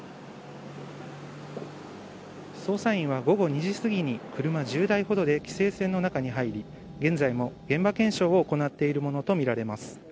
捜査員は午後２時すぎに車１０台ほどで規制線の中に入り現在も現場検証を行っているものとみられます。